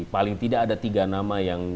paling tidak ada tiga nama yang